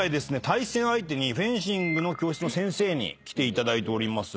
対戦相手にフェンシングの教室の先生に来ていただいております。